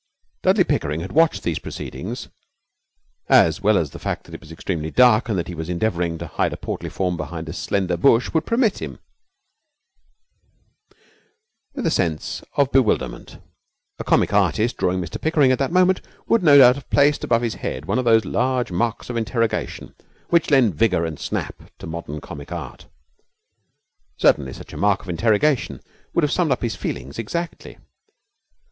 Dudley Pickering had watched these proceedings as well as the fact that it was extremely dark and that he was endeavouring to hide a portly form behind a slender bush would permit him with a sense of bewilderment. A comic artist drawing Mr Pickering at that moment would no doubt have placed above his head one of those large marks of interrogation which lend vigour and snap to modern comic art. Certainly such a mark of interrogation would have summed up his feelings exactly.